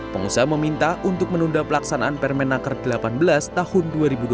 pengusaha meminta untuk menunda pelaksanaan permenaker delapan belas tahun dua ribu dua puluh